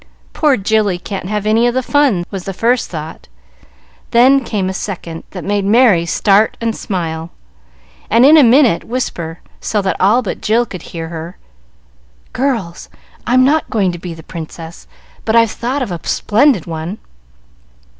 "Poor Jilly can't have any of the fun," was the first thought; then came a second, that made Merry start and smile, and in a minute whisper so that all but Jill could hear her, "Girls, I'm not going to be the Princess. But I've thought of a splendid one!"